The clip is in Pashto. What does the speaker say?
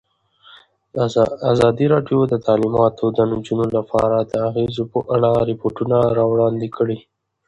ازادي راډیو د تعلیمات د نجونو لپاره د اغېزو په اړه ریپوټونه راغونډ کړي.